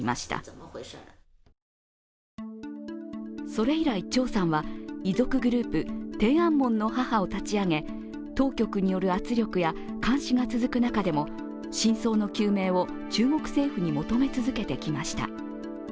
それ以来、張さんは、遺族グループ、天安門の母を立ち上げ当局による圧力や監視が続く中でも真相の究明を中国政府に求め続けてきました。